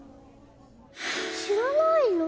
知らないの？